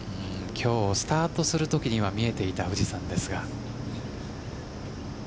今日、スタートする時には見えていた富士山ですが。